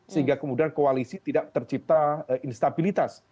sehingga kemudian koalisi tidak tercipta instabilitas